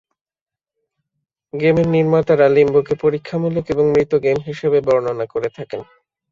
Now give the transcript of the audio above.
গেমের নির্মাতারা লিম্বোকে পরীক্ষামূলক এবং মৃত গেম হিসেবে বর্ণনা করে থাকেন।